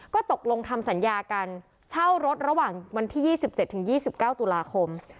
ก็ตกลงทำสัญญากันเช่ารถระหว่างวันที่ยี่สิบเจ็ดถึงยี่สิบเก้าตุลาคม